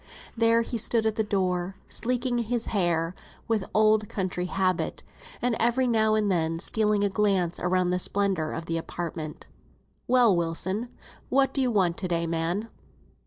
There he stood at the door, sleeking his hair with old country habit, and every now and then stealing a glance round at the splendour of the apartment. "Well, Wilson, and what do you want to day, man?"